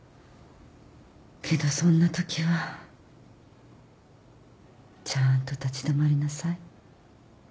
けどそんなときはちゃんと立ち止まりなさい。